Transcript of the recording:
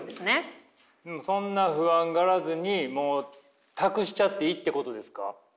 そんな不安がらずにもう託しちゃっていいってことですか？